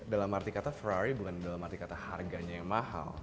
dalam arti kata very bukan dalam arti kata harganya yang mahal